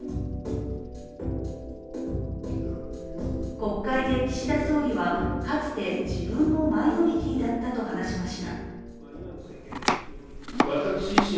国会で岸田総理は、かつて自分もマイノリティーだったと話しました。